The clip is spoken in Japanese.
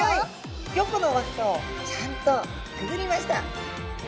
５個の輪っかをちゃんとくぐりました。